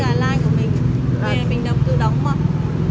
cây gà lai của mình cây này mình đầu tư đóng đúng không ạ